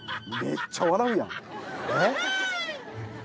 めっちゃ笑うやん。